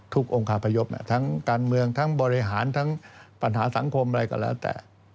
องค์คาพยพทั้งการเมืองทั้งบริหารทั้งปัญหาสังคมอะไรก็แล้วแต่